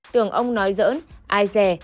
tưởng ông nói giỡn ai rè